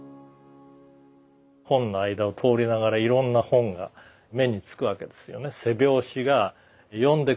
本の間を通りながらいろんな本が目につくわけですよね。